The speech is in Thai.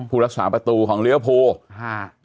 ผู้รักษาประตูของเลี้ยวภู